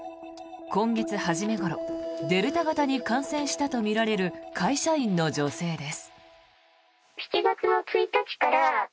今月初めごろデルタ型に感染したとみられる会社員の女性です。